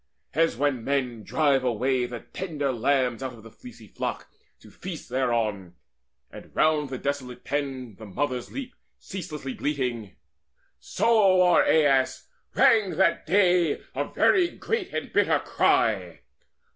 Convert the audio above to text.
As when men drive away the tender lambs Out of the fleecy flock, to feast thereon, And round the desolate pens the mothers leap Ceaselessly bleating, so o'er Aias rang That day a very great and bitter cry.